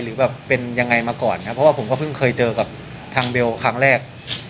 หรือแบบเป็นยังไงมาก่อนครับเพราะว่าผมก็เพิ่งเคยเจอกับทางเบลครั้งแรก